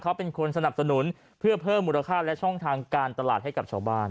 เขาเป็นคนสนับสนุนเพื่อเพิ่มมูลค่าและช่องทางการตลาดให้กับชาวบ้าน